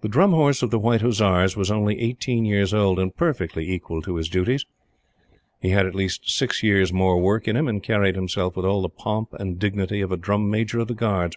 The Drum Horse of the White Hussars was only eighteen years old, and perfectly equal to his duties. He had at least six years' more work in him, and carried himself with all the pomp and dignity of a Drum Major of the Guards.